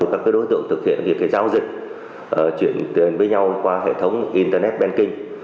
các đối tượng thực hiện việc giao dịch chuyển tiền với nhau qua hệ thống internet banking